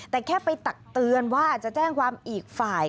แต่แค่ไปตักเตือนว่าจะแจ้งความอีกฝ่าย